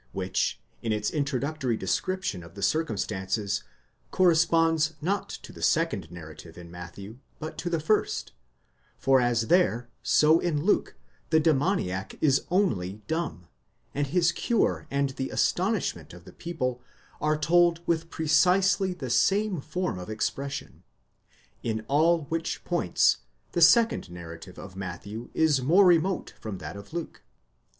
which, in its introductory description of the circumstances, corresponds not to the second narrative in Matthew, but to the first; for as there, so in Luke, the demoniac is only dumb, and his cure and the astonish ment of the people are told with precisely the same form of expression :—in all which points, the second narrative of Matthew is more remote from that of Luke.